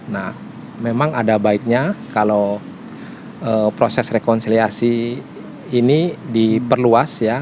nah memang ada baiknya kalau proses rekonsiliasi ini diperluas ya